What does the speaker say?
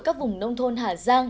các vùng nông thôn hà giang